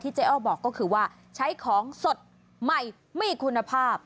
เจ๊อ้อบอกก็คือว่าใช้ของสดใหม่มีคุณภาพ